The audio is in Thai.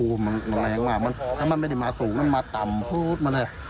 มันแรงมากถ้ามันไม่ได้มาสูงมันมาต่ำพูดมาเลย